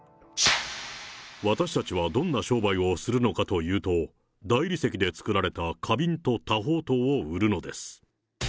私たちはどんな商売をするのかというと、大理石で作られた花瓶と多宝塔を売るのです。